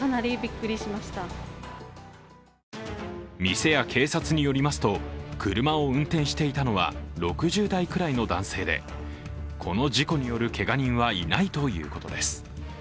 店や警察によりますと車を運転していたのは６０代くらいの男性でこの事故によるけが人はいないということです